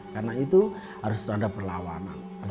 karena itu harus terhadap perlawanan